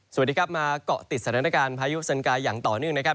สวัสดีครับมาเกาะติดสถานการณ์พายุสันกายอย่างต่อเนื่องนะครับ